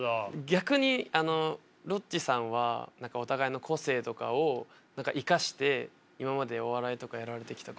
逆にロッチさんはお互いの個性とかを生かして今までお笑いとかやられてきた感じなんですか？